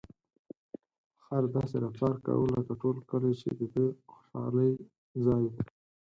خر داسې رفتار کاوه لکه ټول کلي چې د ده د خوشحالۍ ځای وي.